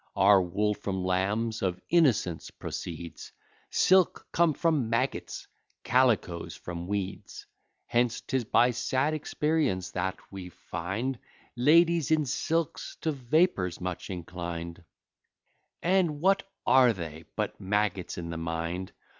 Our wool from lambs of innocence proceeds; Silks come from maggots, calicoes from weeds; Hence 'tis by sad experience that we find Ladies in silks to vapours much inclined And what are they but maggots in the mind?